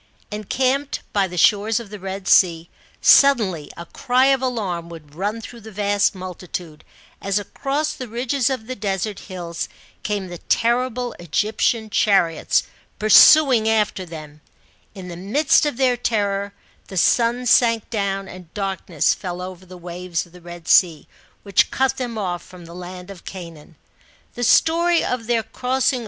Encamped by the shores of the Red Sea, suddenly a cry of alarm would run through the vast multitude, as across the ridges of the desert hills came the terrible Egyptian chariots pur suing after them. In the midst of their terror the sun sank down, and darkness fell over the. wafers of the Red Sea, which cut them off from the land of Canaan. The story of their crossing 28 FROM EGYPT TO CANAAN. [B.C.